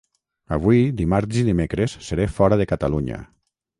Avui, dimarts i dimecres seré fora de Catalunya.